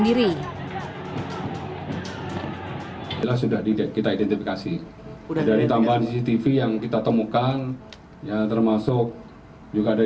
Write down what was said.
diri sudah tidak kita identifikasi udah ditambah cctv yang kita temukan yang termasuk juga ada